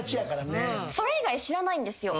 それ以外知らないんですよ。